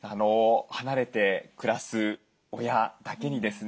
離れて暮らす親だけにですね